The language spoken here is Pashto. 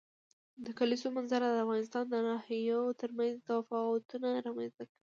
د کلیزو منظره د افغانستان د ناحیو ترمنځ تفاوتونه رامنځ ته کوي.